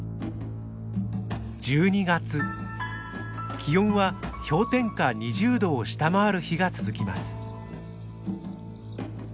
気温は氷点下２０度を下回る日が続きます。